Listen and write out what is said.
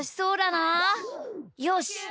よし！